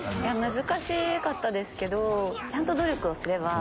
難しかったですけどちゃんと。